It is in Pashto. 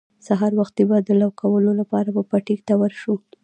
سهار وختي به د لو کولو لپاره به پټي ته ور شو.